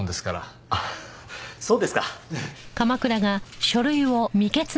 ああそうですか。